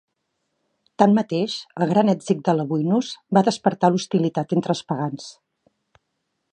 Tanmateix, el gran èxit de Lebuinus va despertar l'hostilitat entre els pagans.